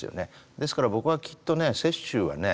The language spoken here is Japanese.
ですから僕はきっとね雪舟はね